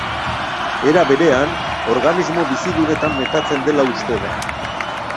Era berean, organismo bizidunetan metatzen dela uste da.